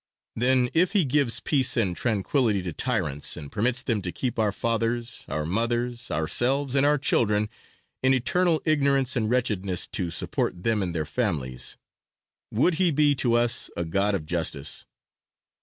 Then if he gives peace and tranquility to tyrants and permits them to keep our fathers, our mothers, ourselves and our children in eternal ignorance and wretchedness to support them and their families, would he be to us a God of Justice?